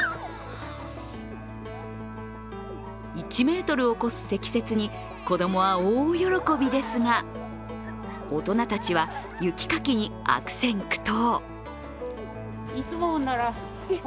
１ｍを超す積雪に子供は大喜びですが大人たちは雪かきに悪戦苦闘。